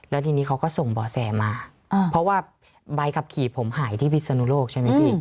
แล้วทีนี้เขาก็ส่งบ่อแสมาเพราะว่าใบขับขี่ผมหายที่พิศนุโลกใช่ไหมพี่